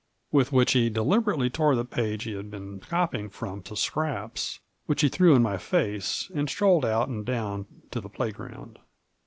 With which he deliberately tore the page he had been copying from to scraps, which he threw in my face, and strolled out and down to the play ground.